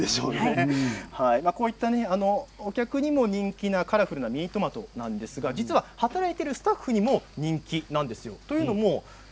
こういったカラフルなミニトマトなんですが働いているスタッフにも人気なんです。